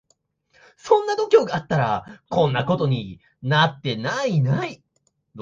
そんな度胸があったらこんなことになってない